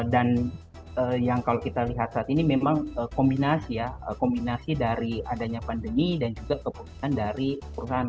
dan yang kalau kita lihat saat ini memang kombinasi ya kombinasi dari adanya pandemi dan juga keputusan dari perusahaan